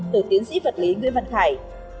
từ tiến sĩ vật lý nguyễn văn khải